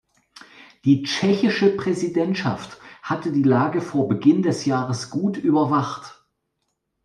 Die tschechische Präsidentschaft hatte die Lage vor Beginn des Jahres gut überwacht.